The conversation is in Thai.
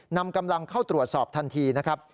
นำกำลังเข้าตรวจสอบทันทีนะครับ